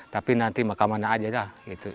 tapi nanti mahkamah nya aja dah